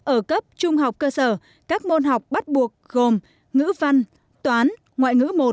ở cấp trung học cơ sở các môn học bắt buộc gồm ngữ văn toán ngoại ngữ một